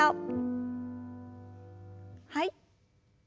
はい。